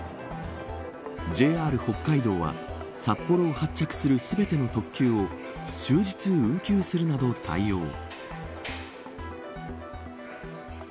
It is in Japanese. ＪＲ北海道は札幌を発着する全ての特急を終日運休するなど対応。